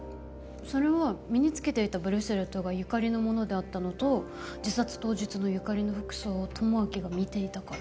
それは身につけていたブレスレットが由香里のものであったのと自殺当日の由香里の服装を智明が見ていたから。